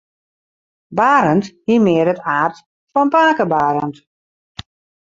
Barend hie mear it aard fan pake Barend.